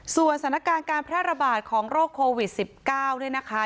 ส่วนสถานการณ์การแพร่ระบาดของโรคโควิด๑๙เนี่ยนะคะ